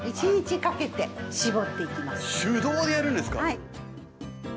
はい。